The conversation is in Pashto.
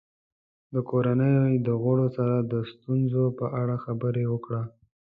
د کورنۍ د غړو سره د ستونزو په اړه خبرې وکړه.